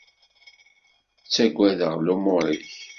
Ttaggadeɣ lumuṛ-ik.